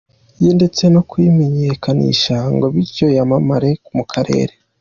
ye ndetse no kuyimenyekanisha ngo bityo yamamare mu karere.